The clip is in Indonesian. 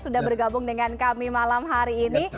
sudah bergabung dengan kami malam hari ini